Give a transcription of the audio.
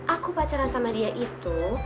aku pacaran sama dia itu